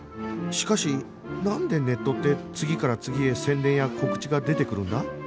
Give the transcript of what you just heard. しかしなんでネットって次から次へ宣伝や告知が出てくるんだ？